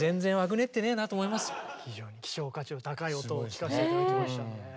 非常に希少価値の高い音を聴かせて頂きましたねぇ。